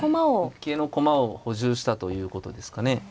受けの駒を補充したということですかね。